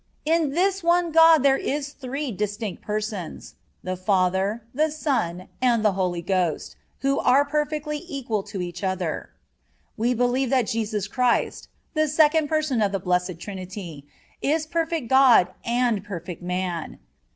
In this one God there are three distinct Persons,—the Father, the Son, and the Holy Ghost, who are perfectly equal to each other. We believe that Jesus Christ, the Second Person of the Blessed Trinity, is perfect God and perfect Man.